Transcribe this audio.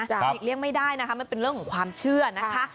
หลีกเลี่ยงไม่ได้นะคะมันเป็นเรื่องของความเชื่อนะคะ